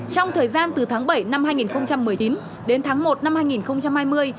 trong thời gian từ tháng bảy năm hai nghìn một mươi chín đến tháng một năm hai nghìn hai mươi